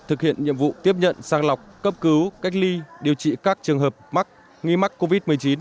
thực hiện nhiệm vụ tiếp nhận sang lọc cấp cứu cách ly điều trị các trường hợp mắc nghi mắc covid một mươi chín